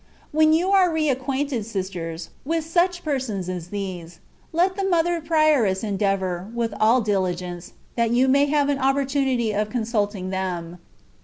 When you are ac quainted, sisters, with such persons as these, let the mother prioress endeavour, with all diligence, that you may have an opportunity of consulting them.